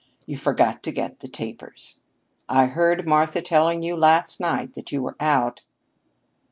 "You forgot to get the tapers. I heard Martha telling you last night that they were out."